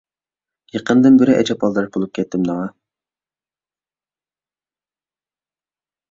يېقىندىن بېرى ئەجەب ئالدىراش بولۇپ كەتتىم دەڭا.